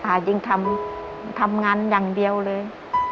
ยิ่งทำงานอย่างเดียวเลย